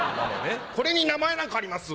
これに名前なんかあります？